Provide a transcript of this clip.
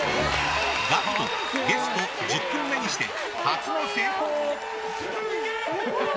ＧＡＣＫＴゲスト１０組目にして初の成功！